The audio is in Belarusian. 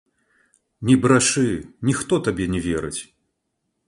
Не брашы, ніхто табе не верыць!